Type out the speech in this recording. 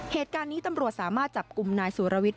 เหตุการณ์นี้ตำรวจสามารถจับกลุ่มนายสุรวิทย